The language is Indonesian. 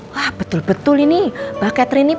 wah betul betul ini mbak catri ini